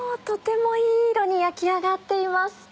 とてもいい色に焼き上がっています。